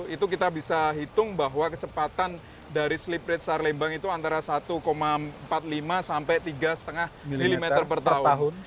itu kita bisa hitung bahwa kecepatan dari slip rate sesar lembang itu antara satu empat puluh lima sampai tiga lima mm per tahun